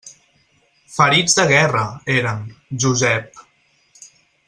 Ferits de guerra, eren, Josep!